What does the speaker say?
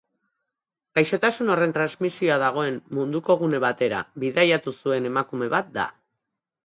Gaixotasun horren transmisioa dagoen munduko gune batera bidaiatu zuen emakume bat da.